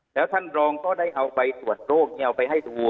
แล้วท่านรองก็ได้เอาไปตรวจโรคนี้เอาไปให้ดู